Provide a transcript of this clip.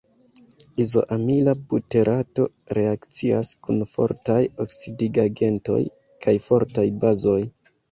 Izoamila buterato reakcias kun fortaj oksidigagentoj kaj fortaj bazoj.